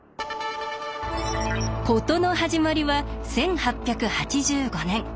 事の始まりは１８８５年。